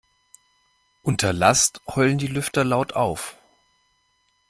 Unter Last heulen die Lüfter laut auf.